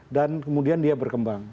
dan kemudian dia berkembang